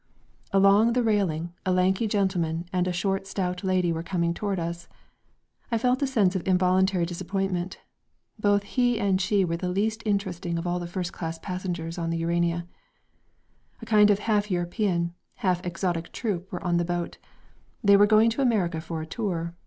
Along the railing, a lanky gentleman and a short stout lady were coming toward us. I felt a sense of involuntary disappointment: both he and she were the least interesting of all the first class passengers on the Urania. A kind of half European, half exotic troupe were on the boat. They were going to America for a tour.